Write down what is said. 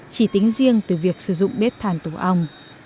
chỉ tính riêng từ việc sử dụng bếp thàn tủ ong